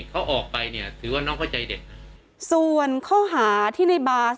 เขาออกไปเนี่ยถือว่าน้องเข้าใจเด็กส่วนข้อหาที่ในบาส